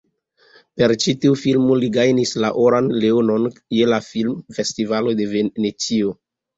Per ĉi tiu filmo li gajnis la oran leonon je la Filmfestivalo de Venecio.